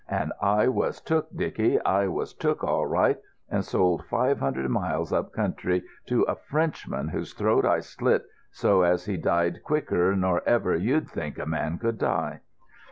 And I was took, Dicky. I was took all right and sold five hundred miles up country, to a Frenchman whose throat I slit so as he died quicker nor ever you'd think a man could die."